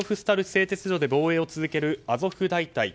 製鉄所で防衛を続けるアゾフ大隊